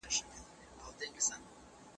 دا ماده بدن ته ګټه رسوي.